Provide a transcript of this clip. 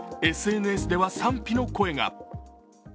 ＳＮＳでは賛否の声が。